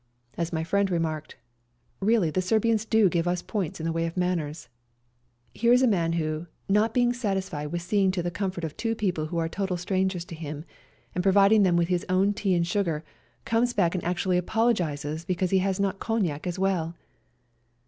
As my friend remarked, " Really the Serbians do give us points in the way of manners ; here is a man who, not satisfied with SERBIAN CHRISTMAS DAY 187 seeing to the comfort of two people who are total strangers to him, and providing them with his own tea and sugar, comes back and actually apologises because he has not cognac as well